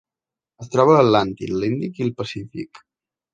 Es troba a l'Atlàntic, l'Índic i el Pacífic.